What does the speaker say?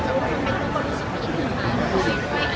ช่องความหล่อของพี่ต้องการอันนี้นะครับ